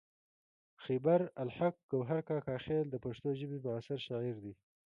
خیبر الحق ګوهر کاکا خیل د پښتو ژبې معاصر شاعر دی.